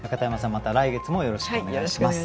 また来月もよろしくお願いします。